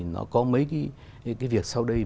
nó có mấy cái việc sau đây